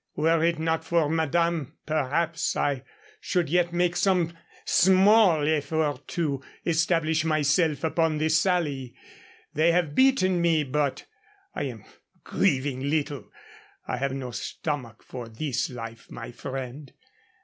Were it not for madame, perhaps, I should yet make some small effort to establish myself upon the Sally. They have beaten me, but I am grieving little. I have no stomach for this life, my friend.